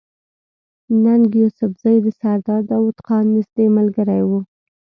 ننګ يوسفزۍ د سردار داود خان نزدې ملګری وو